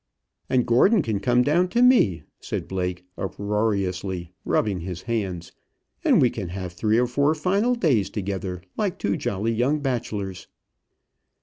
"And Gordon can come down to me," said Blake, uproariously, rubbing his hands; "and we can have three or four final days together, like two jolly young bachelors."